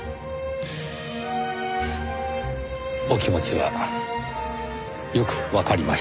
お気持ちはよくわかりました。